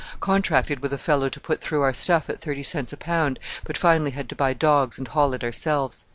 Contracted with a fellow to put through our stuff at thirty cents a pound, but finally had to buy dogs and haul it ourselves.